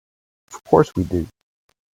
Of course we do.